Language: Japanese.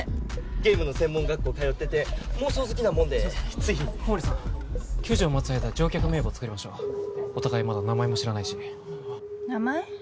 ゲームの専門学校通ってて妄想好きなもんでつい小森さん救助を待つ間乗客名簿を作りましょうお互いまだ名前も知らないし名前？